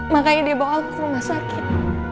makanya dia bawa ke rumah sakit